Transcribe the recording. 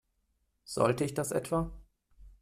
Sollte ich das etwa?